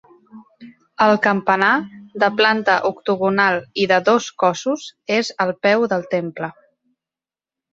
El campanar, de planta octogonal i de dos cossos, és al peu del temple.